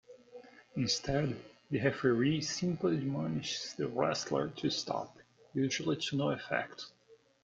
Instead, the referee simply admonishes the wrestler to stop, usually to no effect.